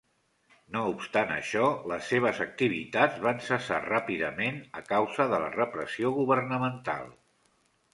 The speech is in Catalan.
No obstant això, les seves activitats van cessar ràpidament a causa de la repressió governamental.